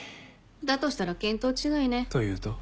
だとしたら見当違いね。というと？